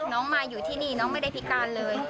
มาอยู่ที่นี่น้องไม่ได้พิการเลย